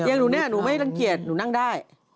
อย่างหนูเนี่ยหนูไม่รังเกียจหนูนั่งได้